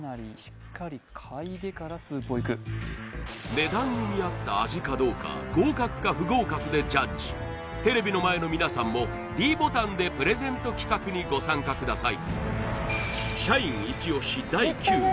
値段に見合った味かどうか合格か不合格でジャッジテレビの前の皆さんもｄボタンでプレゼント企画にご参加ください